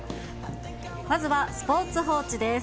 まずはスポーツ報知です。